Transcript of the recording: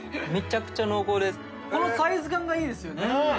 ・このサイズ感がいいですよね